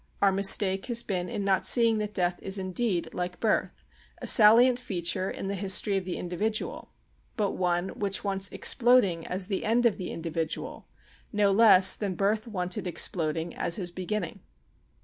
Our mistake has been in not seeing that death is indeed, like birth, a salient feature in the history of the individual, but one which wants exploding as the end of the individual, no less than birth wanted exploding as his beginning.